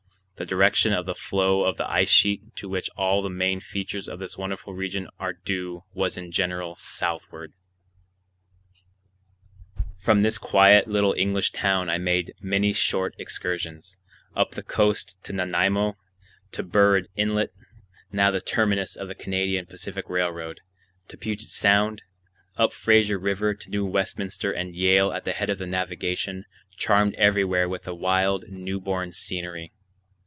The direction of the flow of the ice sheet to which all the main features of this wonderful region are due was in general southward. From this quiet little English town I made many short excursions—up the coast to Nanaimo, to Burrard Inlet, now the terminus of the Canadian Pacific Railroad, to Puget Sound, up Fraser River to New Westminster and Yale at the head of navigation, charmed everywhere with the wild, new born scenery.